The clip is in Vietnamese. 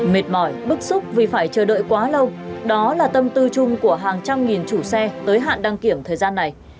mệt mỏi bức xúc vì phải chờ đợi quá lâu đó là tâm tư chung của hàng trăm nghìn chủ xe tới hạn đăng kiểm thời gian này